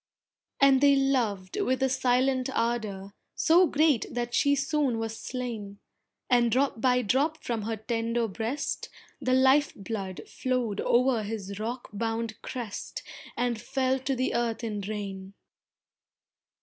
And they loved with a silent ardour So great that she soon was slain, And drop by drop from her tender breast The life blood flowed o'er his rock bound crest, And fell to the earth in rain.